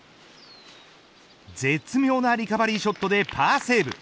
絶妙なリカバリーショットでパーセーブ。